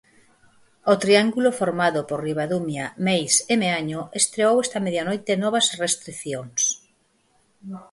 O triángulo formado por Ribadumia, Meis e Meaño estreou esta medianoite novas restricións.